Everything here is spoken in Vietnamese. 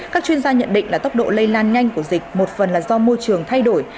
các chuyên gia nhận định là tốc độ lây lan nhanh của dịch một phần là do môi trường thay đổi